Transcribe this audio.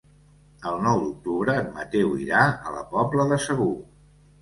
El nou d'octubre en Mateu irà a la Pobla de Segur.